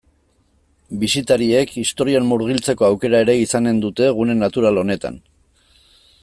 Bisitariek historian murgiltzeko aukera ere izanen dute gune natural honetan.